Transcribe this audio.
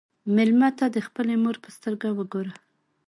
مېلمه ته د خپلې مور په سترګو وګوره.